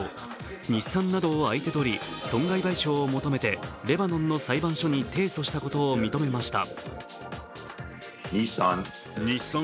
日産などを相手取り、損害賠償を求めてレバノンの裁判所に提訴したことを認めました。